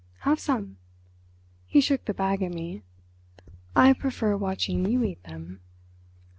Have some?" He shook the bag at me. "I prefer watching you eat them."